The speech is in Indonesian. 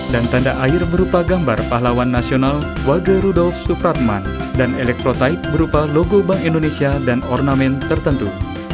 dan tanda air berupa gambar pahlawan nasional wagerudolf supratman dan elektrotipe berupa logo bank indonesia dan ornamen tertentu